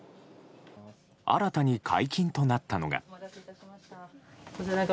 新たに解禁となったのが。